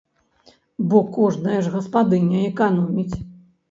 Бо кожная ж гаспадыня эканоміць.